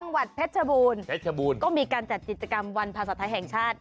จังหวัดเพชรชบูรณเพชรบูรณก็มีการจัดกิจกรรมวันภาษาไทยแห่งชาติ